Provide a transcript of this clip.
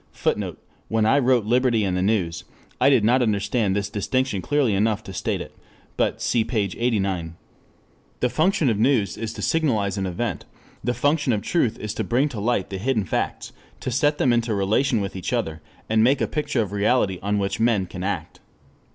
[Footnote: When I wrote Liberty and the News, I did not understand this distinction clearly enough to state it, but cf. p. 89 ff.] The function of news is to signalize an event, the function of truth is to bring to light the hidden facts, to set them into relation with each other, and make a picture of reality on which men can act.